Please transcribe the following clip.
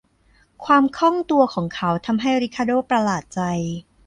ความคล่องตัวของเขาทำให้ริคาโด้ประหลาดใจ